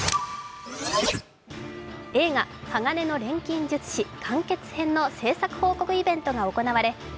映画「鋼の錬金術師完結編」の製作報告イベントが行われＨｅｙ！